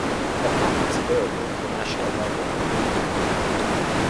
A copy is available in the National Library of India.